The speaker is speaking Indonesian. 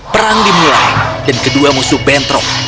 perang dimulai dan kedua musuh bentrok